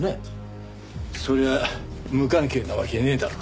そりゃ無関係なわけねえだろう。